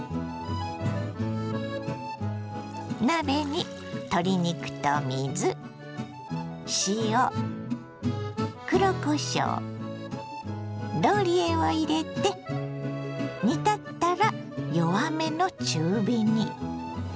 鍋に鶏肉と水塩黒こしょうローリエを入れて煮立ったら弱めの中火に。